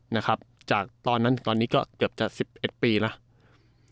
นะครับจากตอนนั้นตอนนี้ก็เกือบจะ๑๑ปีแล้ว